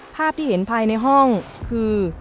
ภาพที่เห็นภายในห้องคือ